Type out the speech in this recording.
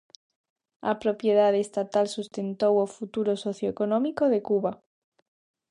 A propiedade estatal sustentou o futuro socioeconómico de Cuba.